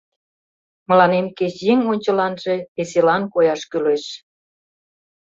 «Мыланем кеч еҥ ончыланже веселан кояш кӱлеш.